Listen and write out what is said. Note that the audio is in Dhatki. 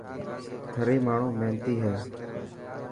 ٿري ماڻهو محنتي هي.